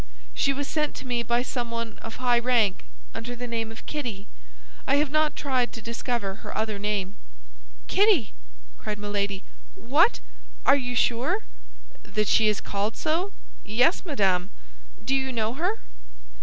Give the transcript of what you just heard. "She was sent to me by someone of high rank, under the name of Kitty. I have not tried to discover her other name." "Kitty!" cried Milady. "What? Are you sure?" "That she is called so? Yes, madame. Do you know her?"